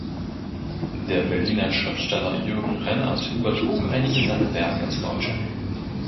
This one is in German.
Der Berliner Schriftsteller Jürgen Rennert übertrug einige seiner Werke ins Deutsche.